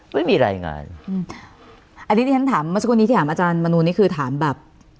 ไม่มีรายงานอันนี้ที่ฉันถามอาจารย์มนูนี่คือถามแบบ